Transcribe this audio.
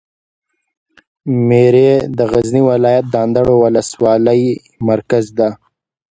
میری د غزني ولایت د اندړو د ولسوالي مرکز ده.